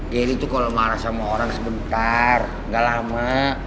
gary itu kalo marah sama orang sebentar gak lama